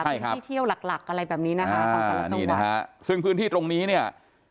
ใช่ครับพื้นที่เที่ยวหลักหลักอะไรแบบนี้นะคะอ่านี่นะคะซึ่งพื้นที่ตรงนี้เนี้ย